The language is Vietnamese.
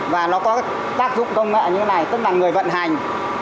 và nó có tác dụng công nghệ như thế này tức là người vận hành